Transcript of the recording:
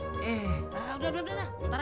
udah udah ntar aja ceritanya